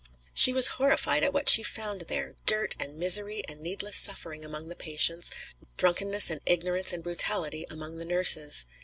She was horrified at what she found there; dirt and misery and needless suffering among the patients, drunkenness and ignorance and brutality among the nurses.